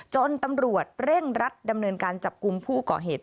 ตำรวจเร่งรัดดำเนินการจับกลุ่มผู้ก่อเหตุ